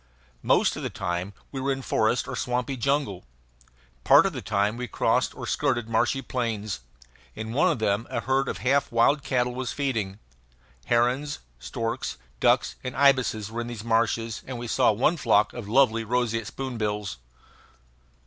Most of the time we were in forest or swampy jungle. Part of the time we crossed or skirted marshy plains. In one of them a herd of half wild cattle was feeding. Herons, storks, ducks, and ibises were in these marshes, and we saw one flock of lovely roseate spoonbills.